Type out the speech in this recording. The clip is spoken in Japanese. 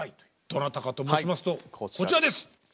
どなたかと申しますとこちらです。